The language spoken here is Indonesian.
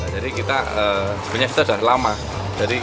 sebenarnya kita sudah lama